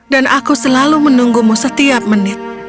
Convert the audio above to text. dan aku selalu menunggumu setiap menit